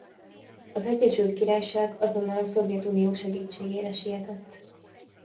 Az Egyesült Királyság azonnal a Szovjetunió segítségére sietett.